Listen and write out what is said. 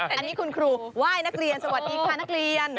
อันนี้คุณครูไหว้นักเรียนสวัสดีพานักเรียน